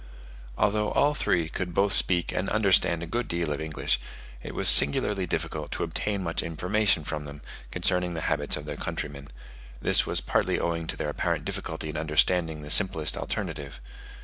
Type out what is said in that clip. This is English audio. Although all three could both speak and understand a good deal of English, it was singularly difficult to obtain much information from them, concerning the habits of their countrymen; this was partly owing to their apparent difficulty in understanding the simplest alternative.